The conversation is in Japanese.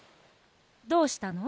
どうしたの？